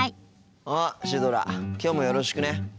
あっシュドラきょうもよろしくね。